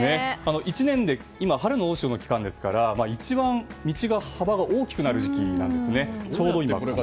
１年で今は春の大潮の期間ですから一番道幅が大きくなる季節なんです。